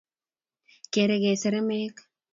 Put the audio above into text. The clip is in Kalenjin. kerke seremek